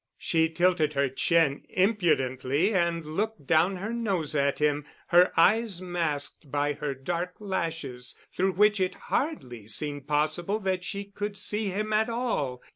She tilted her chin impudently and looked down her nose at him, her eyes masked by her dark lashes, through which it hardly seemed possible that she could see him at all.